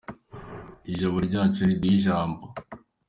Ijabo ryacu riduhe ijambo.